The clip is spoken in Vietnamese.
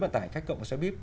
vận tải khéo cộng bằng xe bíp